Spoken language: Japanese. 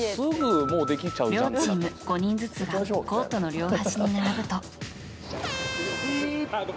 両チーム５人ずつがコートの両端に並ぶと。